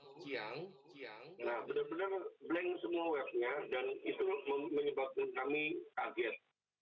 nah benar benar blank semua webnya dan itu menyebabkan kami kaget